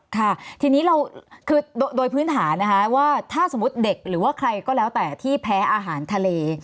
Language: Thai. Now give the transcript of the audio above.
ค่ะทีนี้เราคือโดยพื้นฐานนะคะว่าถ้าสมมุติเด็กหรือว่าใครก็แล้วแต่ที่แพ้อาหารทะเล